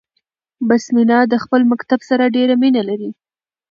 بسمينه د خپل مکتب سره ډيره مينه لري 🏫